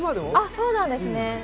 そうなんですね。